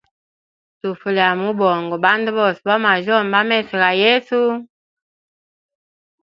Tufu lya mubongo bandu bose ba mwajyomba a meso ga yesu.